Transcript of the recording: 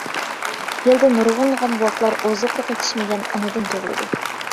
يىلدا نۇرغۇنلىغان بوۋاقلار ئوزۇقلۇق يېتىشمىگەن ئانىدىن تۇغۇلىدۇ.